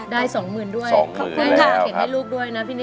ได้อยู่สองหมื่นด้วยขอเข็นให้ลูกด้วยนะพี่นึง